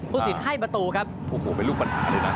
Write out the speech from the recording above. สินให้ประตูครับโอ้โหเป็นลูกปัญหาเลยนะ